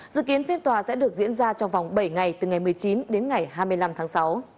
dự kiến phiên tòa sẽ được diễn ra trong vòng bảy ngày từ ngày một mươi chín đến ngày hai mươi năm tháng sáu